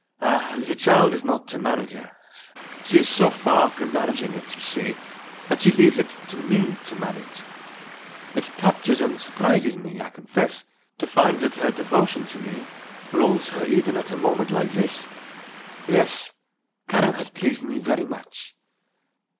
"Ah, the child is not a manager. She is so far from managing it, you see, that she leaves it to me to manage. It touches and surprises me, I confess, to find that her devotion to me rules her even at a moment like this. Yes; Karen has pleased me very much."